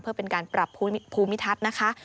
เพื่อเป็นการปรับภูมิทัศน์นะคะ